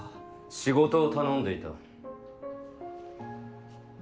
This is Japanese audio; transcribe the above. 仕事を頼んでいた。